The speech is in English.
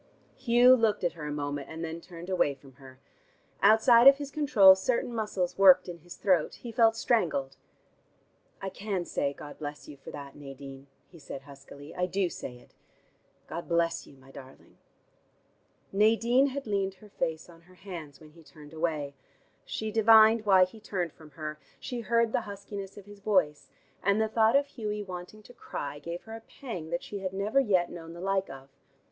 Hugh looked at her a moment, and then turned away from her. Outside of his control certain muscles worked in his throat; he felt strangled. "I can say 'God bless you' for that, Nadine," he said huskily. "I do say it. God bless you, my darling." Nadine had leaned her face on her hands when he turned away. She divined why he turned from her, she heard the huskiness of his voice, and the thought of Hughie wanting to cry gave her a pang that she had never yet known the like of.